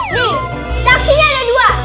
nih saksinya ada dua